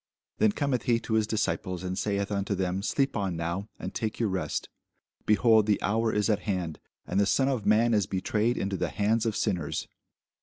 Then cometh he to his disciples, and saith unto them, Sleep on now, and take your rest: behold, the hour is at hand, and the Son of man is betrayed into the hands of sinners.